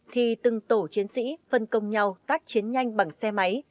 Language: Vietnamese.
thì từng tổ chiến sĩ phân công nhau tác chiến nhanh bằng xe máy